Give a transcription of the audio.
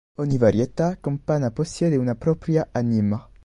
Ogni varietà compatta possiede una propria "anima".